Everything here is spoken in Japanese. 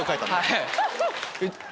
はい。